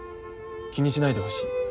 気にしないでほしい。